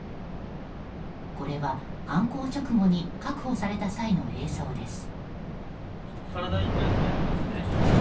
これは、犯行直後に確保された際の映像です。